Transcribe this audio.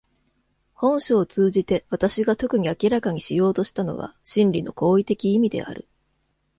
本書を通じて私が特に明らかにしようとしたのは真理の行為的意味である。